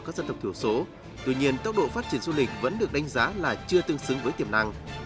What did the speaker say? các dân tộc thiểu số tuy nhiên tốc độ phát triển du lịch vẫn được đánh giá là chưa tương xứng với tiềm năng